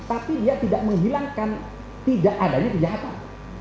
tapi dia tidak menghilangkan tidak adanya kejahatan